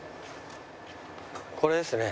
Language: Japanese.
これですね。